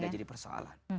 tidak jadi persoalan